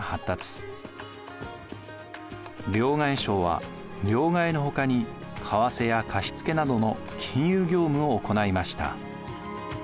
両替商は両替の他に為替や貸し付けなどの金融業務を行いました。